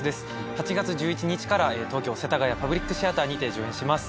８月１１日から東京世田谷パブリックシアターにて上演します。